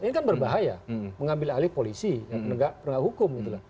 ini kan berbahaya mengambil alih polisi yang pendegakan hukum